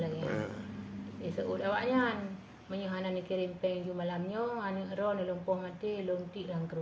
di seut awaknya kan menyuh anak lo kirim peng malamnya anak lo nolong poh mati lo nanti langkru